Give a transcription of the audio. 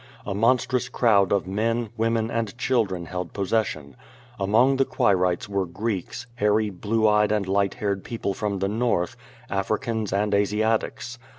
A monstrous crowd of men, women and children held possession. Among the Quirites were Greeks, hairy blue eyed and light haired people I from the North, Africans and Asiatics.